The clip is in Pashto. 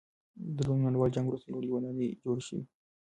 د دویم نړیوال جنګ وروسته لوړې ودانۍ جوړې شوې.